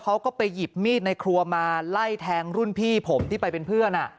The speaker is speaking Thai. เขาก็ไปหยิบมีดในครัวมาไล่แทงรุ่นพี่ผมที่ไปเป็นเพื่อน